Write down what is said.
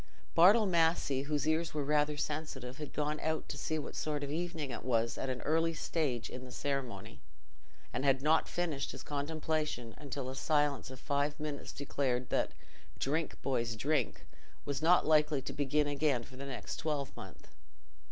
Bartle Massey, whose ears were rather sensitive, had gone out to see what sort of evening it was at an early stage in the ceremony, and had not finished his contemplation until a silence of five minutes declared that "Drink, boys, drink!" was not likely to begin again for the next twelvemonth.